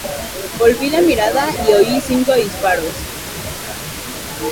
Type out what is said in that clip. Volví la mirada y oí cinco disparos".